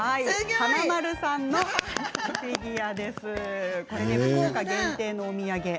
華丸さんのフィギュアです。